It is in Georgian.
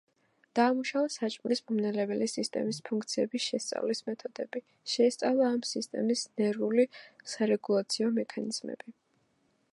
დაამუშავა საჭმლის მომნელებელი სისტემის ფუნქციების შესწავლის მეთოდები, შეისწავლა ამ სისტემის ნერვული სარეგულაციო მექანიზმები.